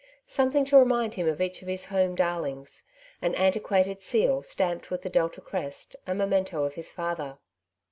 Something to remind him of each of his home dar lings. An antiquated seal, stamped with the Delta crest, a memento of his father.